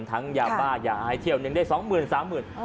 ทั้งยาบ้ายาไอเที่ยวนึงได้สองหมื่นสามหมื่น